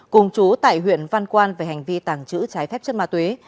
cùng chú tại huyện văn quan về hành vi tàng trữ trái phép chất ma túy